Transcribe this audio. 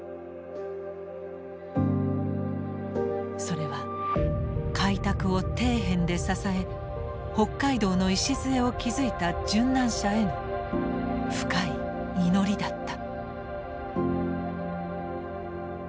それは開拓を底辺で支え北海道の礎を築いた殉難者への深い祈りだった。